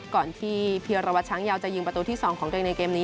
ก่อนที่เพียรวัตรช้างยาวจะยิงประตูที่๒ของตัวเองในเกมนี้